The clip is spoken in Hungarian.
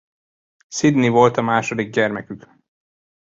Sidney volt a második gyermekük.